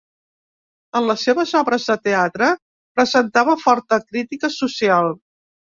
En les seves obres de teatre presentava forta crítica social.